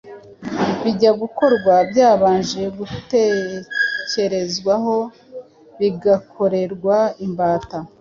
bijya gukorwa byabanje gutekerezwaho bigakorerwa imbata.